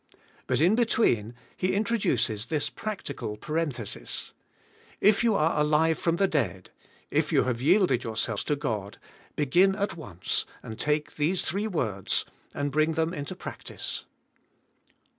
But in between he in troduces this practical parenthesis: If you are alive from the dead; if you have yielded yourselves to God beg in at once and take these three words and bring them into practice.